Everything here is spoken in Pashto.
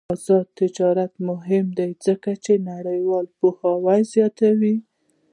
آزاد تجارت مهم دی ځکه چې نړیوال پوهاوی زیاتوي.